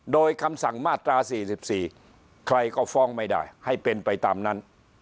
โดยคำสั่งมาตรา๔๔ใครก็ฟ้องไม่ได้ให้เป็นไปตามนั้น